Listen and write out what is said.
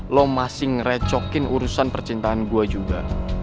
lo masih ngerecokin urusan percintaan gue juga